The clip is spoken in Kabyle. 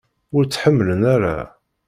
Ur tt-ḥemmlen ara?